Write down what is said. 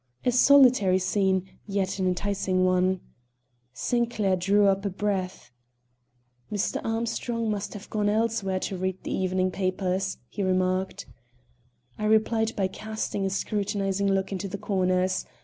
A solitary scene, yet an enticing one. Sinclair drew a deep breath. "Mr. Armstrong must have gone elsewhere to read the evening papers," he remarked. I replied by casting a scrutinizing look into the corners.